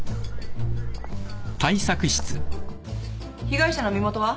被害者の身元は？